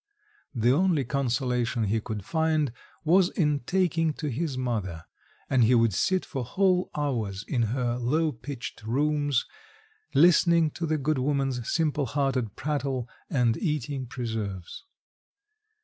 The only consolation he could find was in talking to his mother, and he would sit for whole hours in her low pitched rooms, listening to the good woman's simple hearted prattle, and eating preserves.